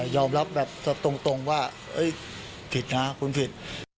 ยอมรับแบบตรงว่าผิดนะคุณผิด